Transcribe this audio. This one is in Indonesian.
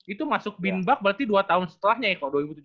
itu masuk bimbak berarti dua tahun setelahnya ya koko